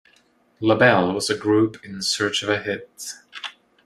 Labelle was a group in search of a hit.